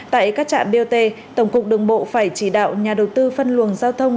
tại các trạm bot tổng cục đường bộ phải chỉ đạo nhà đầu tư phân luồng giao thông